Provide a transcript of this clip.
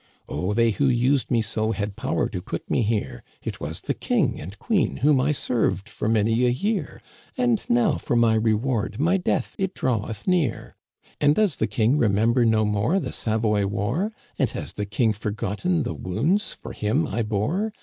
' Oh, they who used me so had power to put me here ; It was the king and queen, whom I served for many a year j And now for my reward my death it draweth near !"* And does the king remember no more the Savoy War ? And has the king forgotten the wounds for him I bore